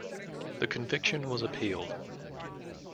The conviction was appealed.